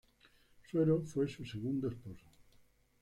Suero fue su segundo esposo.